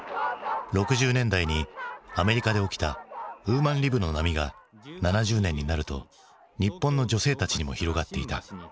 ６０年代にアメリカで起きたウーマンリブの波が７０年になると日本の女性たちにも広がっていた。